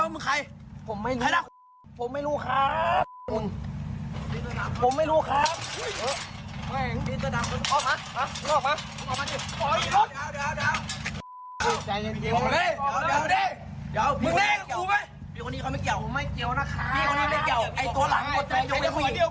อย่าเอามึงแไม่เกี่ยวมีใครไม่เกี่ยวเราถึงหน้าขยับ